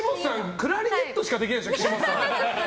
クラリネットしかできないでしょ。